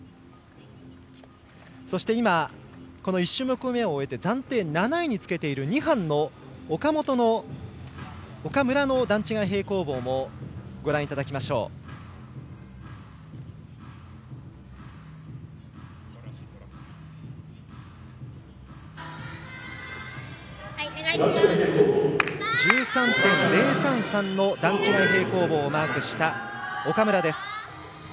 そして１種目めを終えて暫定７位につけている２班の岡村の段違い平行棒もご覧いただきましょう。１３．０３３の段違い平行棒をマークした岡村です。